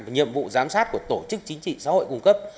và nhiệm vụ giám sát của tổ chức chính trị xã hội cung cấp